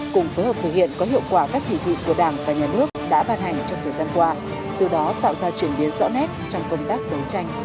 cùng phối hợp thực hiện có hiệu quả các chỉ thị của đảng và nhà nước đã bàn hành trong thời gian qua từ đó tạo ra chuyển biến rõ nét trong công tác đấu tranh phòng chống tội phạm